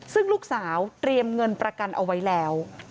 ซึ่งลูกสาวเตรียมเงินประกันเอาไว้แล้ว